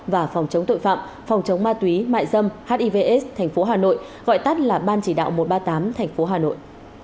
và phòng chống tội phạm phòng chống ma túy mại dâm hivs tp hà nội gọi tắt là ban chỉ đạo một trăm ba mươi tám tp hà nội